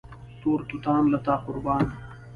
تور توتان له تا قربان